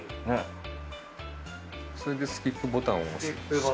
それでスキップボタンを押します。